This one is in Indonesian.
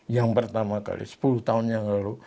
yang pertama kali sepuluh tahun yang lalu